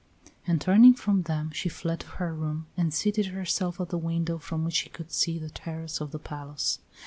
And turning from them she fled to her room and seated herself at the window from which she could see the terrace of the palace.